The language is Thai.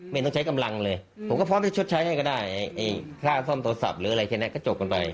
ผมก็พร้อมให้ชุดใช้ให้กันก็ได้ข้างทำเสร็จโทรศัพท์หรืออะไรแค่นั้นก็จบกันไป